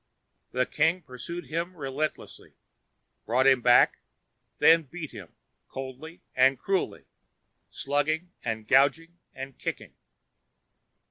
The king pursued him relentlessly, brought him back and then beat him, coldly and cruelly, slugging and gouging and kicking.